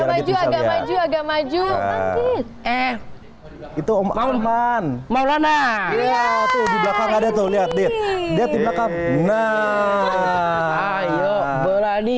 agak maju agak maju agak maju eh itu om alman maulana